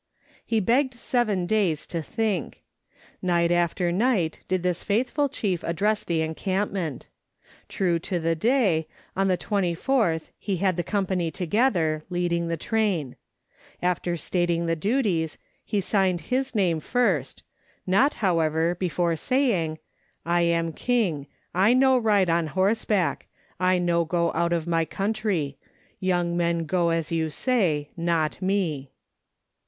He begged seven days to think. Night after night did this faithful chief address the encampment. True to the day, on the 24th he had the company together, leading the train. After stating the duties, he signed his name first, not, however, before saying, " I am king ; I no ride on horseback ; I no go out of my country ; young men go as you say, not me."